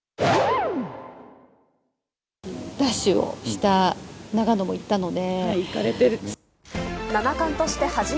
奪取をした長野も行ったので。